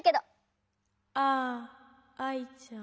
ああアイちゃん。